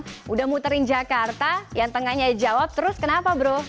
sudah muterin jakarta yang tengahnya jawab terus kenapa bro